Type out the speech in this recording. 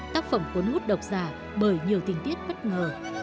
tác phẩm cuốn hút độc giả bởi nhiều tình tiết bất ngờ